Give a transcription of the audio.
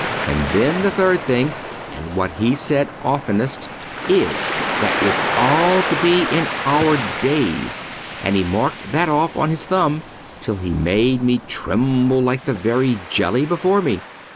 And then, the third thing, and what he said oftenest, is, that it's all to be in our days: and he marked that off on his thumb, till he made me tremble like the very jelly before me.